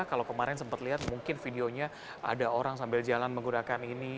kalau kemarin sempat lihat mungkin videonya ada orang sambil jalan menggunakan ini